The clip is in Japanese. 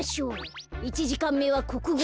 １じかんめはこくご。